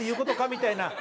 みたいな。